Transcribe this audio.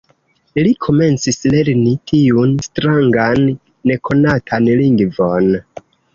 Li komencis lerni tiun strangan nekonatan lingvon.